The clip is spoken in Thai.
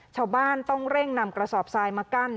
ชาวบ้านต้องเร่งนำกระสอบทรายมากั้น